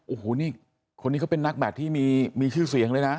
โอ้โหนี่คนนี้เขาเป็นนักแบตที่มีชื่อเสียงเลยนะ